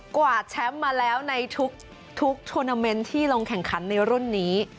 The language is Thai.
วาดแชมป์มาแล้วในทุกทวนาเมนต์ที่ลงแข่งขันในรุ่นนี้